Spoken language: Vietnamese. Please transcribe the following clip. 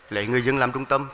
lấy người dân làm trung tâm